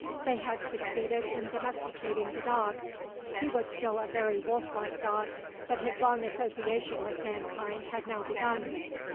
They had succeeded in domesticating the dog; he was still a very wolf like dog, but his long association with mankind had now begun.